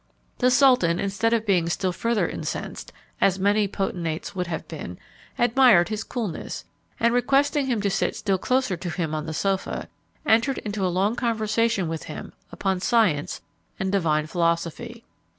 The sultan, instead of being still further incensed, as many potentates would have been, admired his coolness; and, requesting him to sit still closer to him on the sofa, entered into a long conversation with him upon science and divine philosophy.